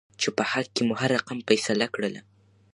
چې په حق کې مو هر رقم فيصله کړله.